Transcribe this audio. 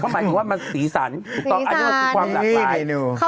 หมายถึงว่ามันสีสันอันนี้มันคือความหลากหลาย